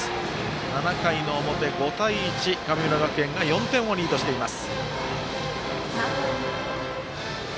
７回の表、５対１、神村学園が４点リードしています。